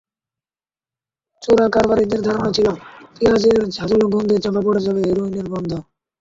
চোরাকারবারিদের ধারণা ছিল, পেঁয়াজের ঝাঁজালো গন্ধে চাপা পড়ে যাবে হেরোইনের গন্ধ।